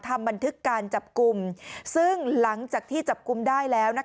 ทำบันทึกการจับกลุ่มซึ่งหลังจากที่จับกลุ่มได้แล้วนะคะ